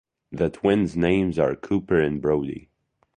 The twins' names are Cooper and Brody.